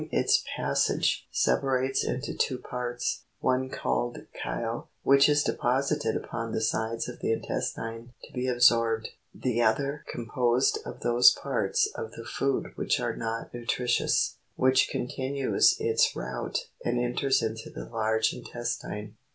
its passage separates into two parts; one called chyle, which is de posited upon the sides of the intestine to be absorbed ; the other, composed of those parts of the food which are not nutritious, which continues its route and enters into the large intestine.